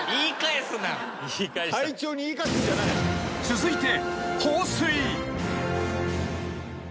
［続いて］